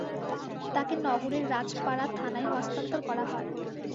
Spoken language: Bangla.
তাঁকে নগরের রাজপাড়া থানায় হস্তান্তর করা হয়।